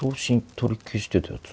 取り消してたやつ。